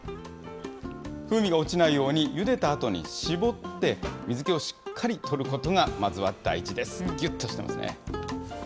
風味が落ちないようにゆでたあとに絞って、水けをしっかりとることがまずは大事です。